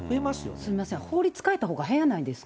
すみません、法律変えたほうが早いんじゃないですか。